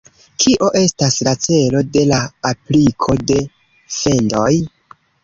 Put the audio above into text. Kio estas la celo de la apliko de fendoj?